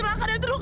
mas prabu kak